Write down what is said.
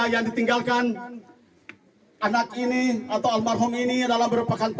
randi diantar ke tpu tokoh masyarakat menobatkan raga